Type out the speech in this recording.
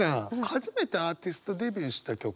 初めてアーティストデビューした曲。